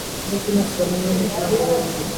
لیکن اس ضمن میں کچھ نہ ہوا